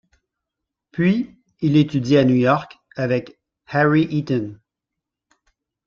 Puis, il étudie à New York avec Harry Eaton.